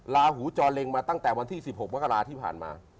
ลาหูจอเล็งมาตั้งแต่วันที่๑๖มกราที่ผ่านมา